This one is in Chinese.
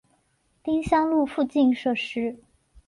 丁香路附近设施